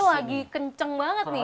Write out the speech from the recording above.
oh lagi kenceng banget nih